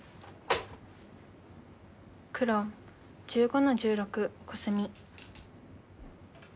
黒１５の十六コスミ。